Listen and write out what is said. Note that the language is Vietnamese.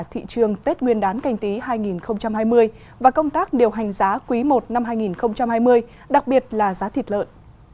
thị trường tết nguyên đán canh tí hai nghìn hai mươi và công tác điều hành giá quý i năm hai nghìn hai mươi đặc biệt là giá thịt lợn